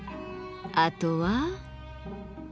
あとは？